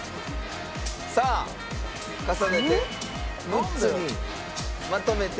さあ重ねて６つにまとめて。